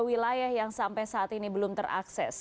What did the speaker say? wilayah yang sampai saat ini belum terakses